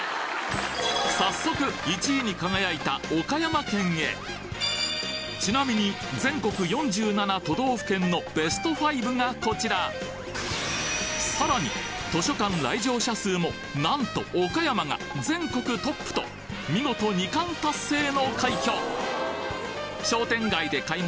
早速１位に輝いたちなみに全国４７都道府県のベスト５がこちらさらに図書館来場者数もなんと岡山が全国トップと見事あ好きですか。